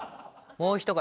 もう一声。